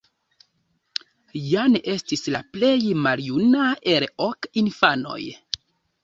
Jan estis la plej maljuna el ok infanoj.